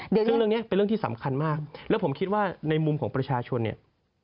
ซึ่งเรื่องนี้เป็นเรื่องที่สำคัญมากแล้วผมคิดว่าในมุมของประชาชนเนี่ย